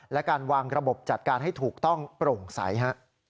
และการวางระบบจัดการให้ถูกต้องโปร่งใสฮะ